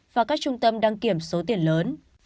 và các trung tâm đăng kiểm số tiền lớn